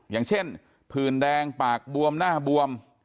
อย่างเช่นผื่นแดงปากบวมหน้าบวม